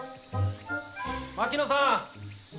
・槙野さん！